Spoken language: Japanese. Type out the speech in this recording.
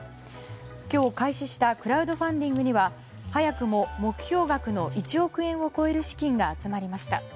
今日開始したクラウドファンディングには早くも、目標額の１億円を超える資金が集まりました。